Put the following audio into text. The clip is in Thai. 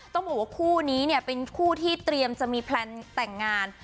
ต้องบอกว่าคู่นี้เนี่ยเป็นคู่ที่เตรียมจะมีแพลนแต่งงาน